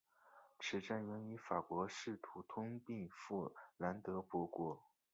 此战源于法国试图吞并弗兰德伯国。